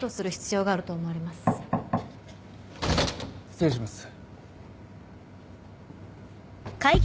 失礼します。